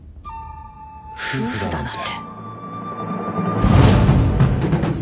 夫婦だなんて。